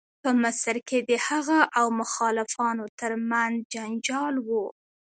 په مصر کې د هغه او مخالفانو تر منځ جنجال و.